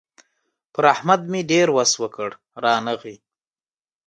پر احمد مې ډېر وس وکړ؛ رانغی.